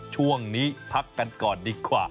ช่วงนี้พักกันก่อนดีกว่า